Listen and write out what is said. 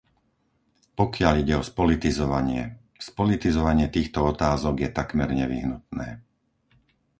Pokiaľ ide o spolitizovanie, spolitizovanie týchto otázok je takmer nevyhnutné.